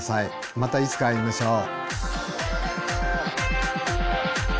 またいつか会いましょう。